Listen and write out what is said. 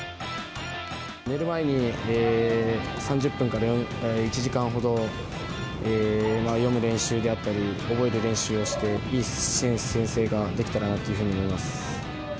寝る前に３０分から１時間ほど、読む練習であったり、覚える練習をして、いい選手宣誓ができたらなというふうに思います。